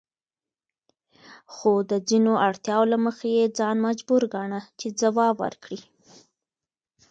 خو د ځینو اړتیاوو له مخې یې ځان مجبور ګاڼه چې ځواب ورکړي.